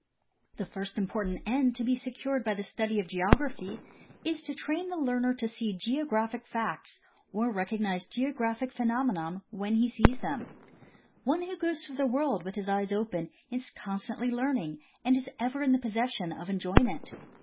The first important end to be secured by the study of geog raphy is to train the learner to see geographic facts or recognize geographic phenomena when he sees them. One who goes through the world with his eyes open is constantly learning and is ever in the possession of enjoyment.